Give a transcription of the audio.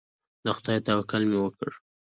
د خدای توکل مې وکړ.